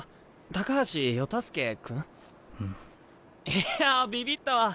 いやビビったわ。